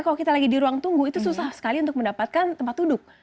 kalau kita lagi di ruang tunggu itu susah sekali untuk mendapatkan tempat duduk